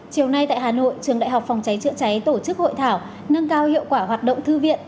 chiều nay tại hà nội trường đại học phòng cháy chữa cháy tổ chức hội thảo nâng cao hiệu quả hoạt động thư viện